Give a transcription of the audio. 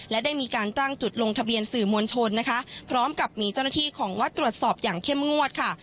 และได้มีการตั้งจุดลงทะเบียนสื่อมวลชนนะคะพร้อมกับมีเจ้าหน้าที่ของวัดตรวจสอบอย่างเข้มงวดค่ะ